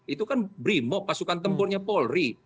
itu kan brimob pasukan tempurnya polri